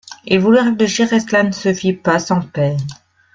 Il voulut réfléchir et cela ne se fit pas sans peine.